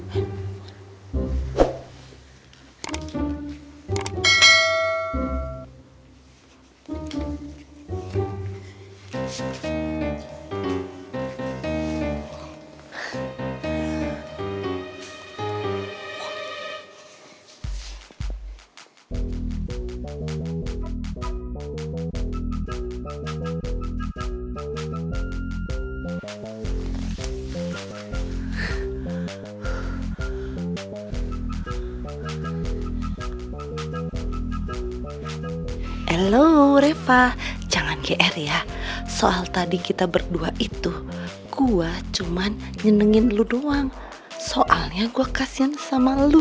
hello reva jangan ke r ya soal tadi kita berdua itu gue cuman nyenengin lo doang soalnya gue kasian sama lo